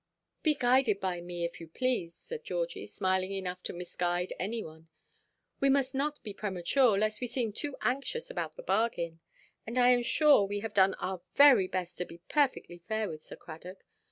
"Be guided by me, if you please," said Georgie, smiling enough to misguide any one; "we must not be premature, lest we seem too anxious about the bargain. And, I am sure, we have done our very best to be perfectly fair with Sir Cradock.